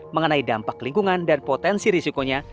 mengenai dampak lingkungan dan potensi risikonya